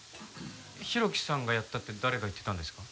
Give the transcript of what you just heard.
浩喜さんがやったって誰が言ってたんですか？